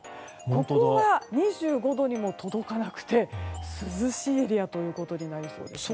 ここは２５度にも届かなくて涼しいエリアということになりそうです。